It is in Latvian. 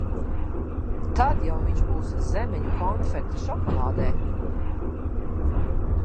Tad jau viņš būs zemeņu konfekte šokolādē!